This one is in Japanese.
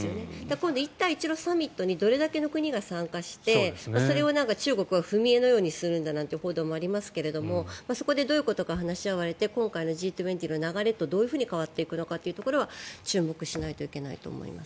今後、一帯一路サミットにどれくらいの国が参加してそれを中国は踏み絵のようにするんだという報道もありますがそこでどういうことが話し合われて今回のＧ２０の流れとどういうふうに変わっていくのかは注目しないと生けないかなと思います。